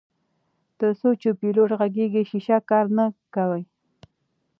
تر څو چې پیلوټ غږیږي شیشه کار نه کوي.